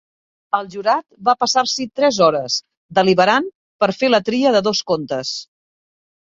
El jurat va passar-s'hi tres hores deliberant per fer la tria de dos contes.